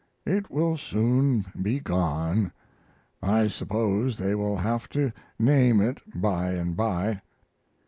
It will soon be gone. I suppose they will have to name it by and by."